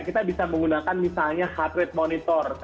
kita bisa menggunakan misalnya heart rate monitor